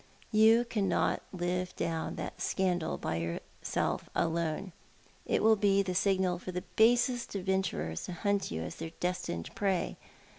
Yon cannot live down that scandal by yourself alone. It will be the signal for the basest adventurers to hunt you as their destined prey.